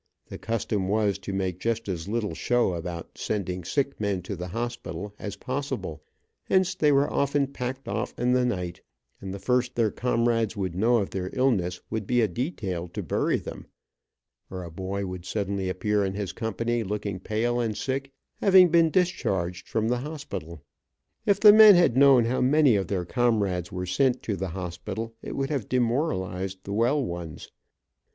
The custom was to make just as little show about sending sick men to the hospital, as possible, hence they were often packed off in the night, and the first their comrades would know of their illness would be a detail to bury them, or a boy would suddenly appear in his company, looking pale and sick, having been discharged from the hospital. If the men had known how many of their comrades were sent to the hospital, it would have demoralized the well ones.